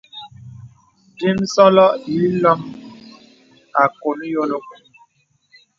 Dīmə̄sɔlɔ ilom àkɔ̀n yònok.